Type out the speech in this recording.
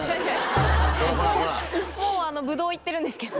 もうブドウ行ってるんですけど。